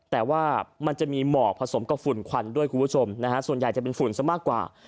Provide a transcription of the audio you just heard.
แต่ว่ามันจะมีหมอกผสมกับฝุ่นควันด้วยคุณผู้ชมนะฮะส่วนใหญ่จะเป็นฝุ่นซะมากกว่า